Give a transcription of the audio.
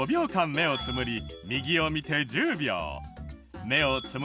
目をつむり左を見て１０秒。